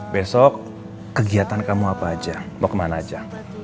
besok kegiatan kamu apa aja mau kemana aja